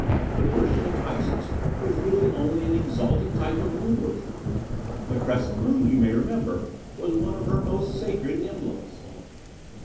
The worship of Isis was really only an exalted type of moon worship. The crescent moon, you may remember, was one of her most sacred emblems."